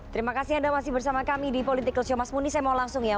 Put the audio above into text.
terima kasih anda masih bersama kami di political show mas muni saya mau langsung ya